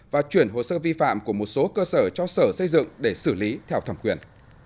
và chuyển hồ sơ vi phạm của một số cơ sở cho sở xây dựng để xử lý theo thẩm quyền